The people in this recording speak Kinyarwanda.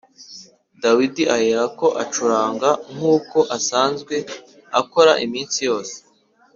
Dawidi aherako acuranga nk’uko asanzwe akora iminsi yose